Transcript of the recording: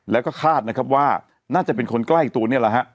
แล้วก็คาดว่าน่าจะเป็นคนใกล้อีกตัวนี่เหรอฮะ